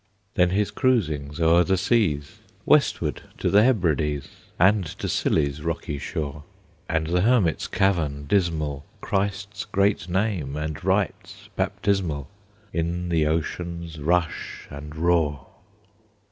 Then his cruisings o'er the seas, Westward to the Hebrides, And to Scilly's rocky shore; And the hermit's cavern dismal, Christ's great name and rites baptismal, In the ocean's rush and roar.